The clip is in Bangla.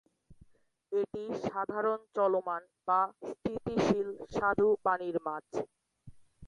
এটি সাধারণত চলমান বা স্থিতিশীল স্বাদু পানির মাছ।